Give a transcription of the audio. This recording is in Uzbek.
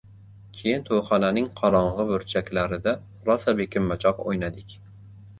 Keyin to‘yxonaning qorong‘i burchaklarida rosa bekinmachoq o‘ynadik.